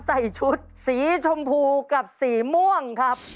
ใส่ชุดสีชมพูกับสีม่วงครับ